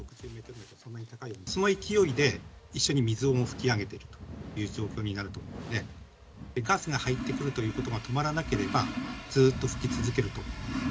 その勢いで一緒に水を噴き上げてるという状況になると思うんで、ガスが入ってくるということが止まらなければ、ずっと噴き続けると。